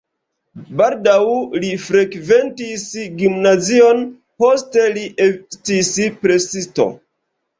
Baldaŭ li frekventis gimnazion, poste li estis presisto.